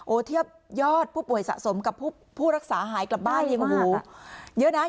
โอ้เทียบยอดผู้ป่วยสะสมกับผู้รักษาหายกลับบ้านเยอะมาก